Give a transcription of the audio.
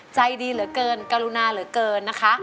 ใจดีเหลือเกินกรุณาเหลือเกินนะคะ